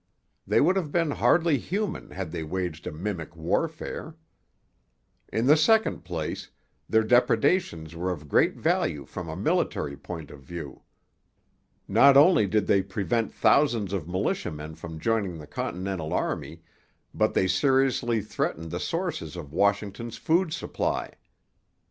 They would have been hardly human had they waged a mimic warfare. In the second place, their depredations were of great value from a military point of view. Not only did they prevent thousands of militiamen from joining the Continental army, but they seriously threatened the sources of Washington's food supply.